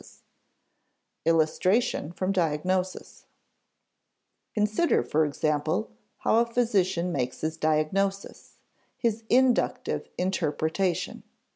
[Sidenote: Illustration from diagnosis] Consider, for example, how a physician makes his diagnosis his inductive interpretation.